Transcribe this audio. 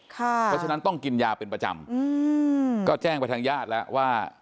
เพราะฉะนั้นต้องกินยาเป็นประจำก็แจ้งไปทางญาติแล้วว่า